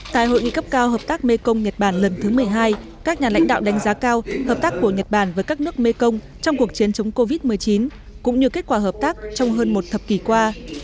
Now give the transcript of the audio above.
tại hội nghị cấp cao hợp tác mekong nhật bản lần thứ một mươi hai các nhà lãnh đạo đánh giá cao hợp tác của nhật bản với các nước mekong trong cuộc chiến chống covid một mươi chín cũng như kết quả hợp tác trong hơn một thập kỷ qua